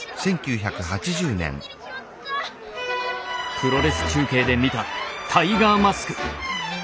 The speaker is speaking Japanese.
プロレス中継で見たタイガーマスク。